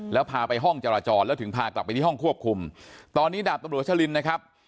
แล้วพาไปห้องจราจรแล้วถึงพากลับไปที่ห้องควบคุมตอนนี้ดาบตำรวจชะลินนะครับ